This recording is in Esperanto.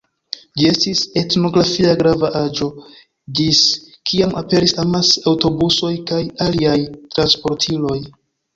Ĝi estis etnografia grava aĵo, ĝis kiam aperis amase aŭtobusoj kaj aliaj transportiloj.